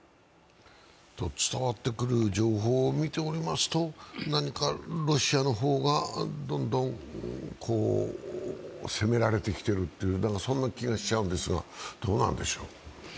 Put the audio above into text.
伝わってくる情報を見ておりますと何かロシアの方がどんどん攻められてきているというそんな気がしちゃうんですがどうなんでしょう。